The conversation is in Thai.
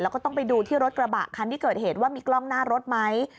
แล้วก็ต้องไปดูที่รถกระบะคันที่เกิดเหตุว่ามีกล้องหน้ารถไหม